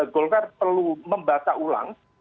golkar perlu membaca ulang